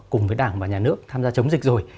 cùng với đảng và nhà nước tham gia chống dịch rồi